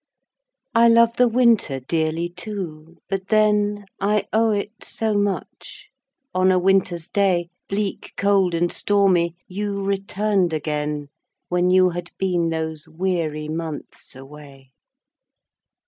I love the winter dearly too, ... but then I owe it so much; on a winter's day, Bleak, cold, and stormy, you returned again, When you had been those weary months away.